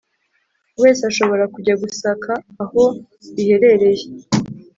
wese ashobora kujya gusaka aho biherereye